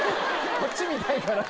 こっち見たいから。